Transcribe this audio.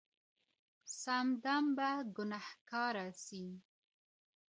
سمدم به ګنهــكاره سې